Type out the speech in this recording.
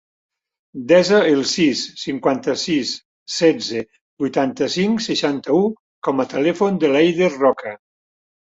Desa el sis, cinquanta-sis, setze, vuitanta-cinc, seixanta-u com a telèfon de l'Eider Roca.